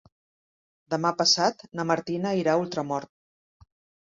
Demà passat na Martina irà a Ultramort.